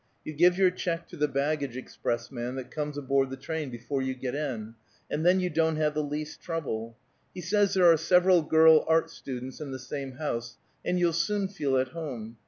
You give your check to the baggage expressman that comes aboard the train before you get in, and then you don't have the least trouble. He says there are several girl art students in the same house, and you'll soon feel at home.